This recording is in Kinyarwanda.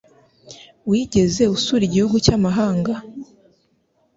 Wigeze usura igihugu cy'amahanga?